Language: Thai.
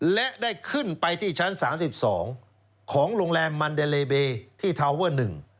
และได้ขึ้นไปที่ชั้น๓๒ของโรงแรมมันเดเลเบที่ทาวเวอร์๑